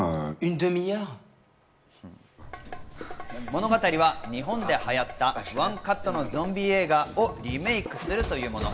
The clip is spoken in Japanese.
物語は日本で流行った、ワンカットのゾンビ映画をリメイクするというもの。